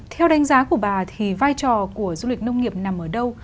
theo đánh giá của bà thì vai trò của du lịch nông nghiệp nằm ở đâu